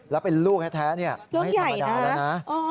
แล้วเป็นลูกแท้ไม่ธรรมดาแล้วนะ